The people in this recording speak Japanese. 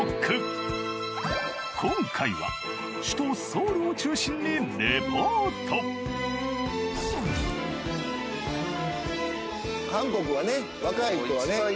今回は首都ソウルを中心にリポート韓国はね若い人はね。